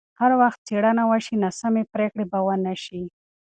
هر وخت چې څېړنه وشي، ناسمې پرېکړې به ونه شي.